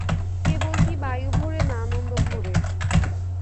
কেবল কি বায়ুভরে না আনন্দভরে।